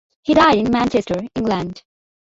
He died in Manchester, England.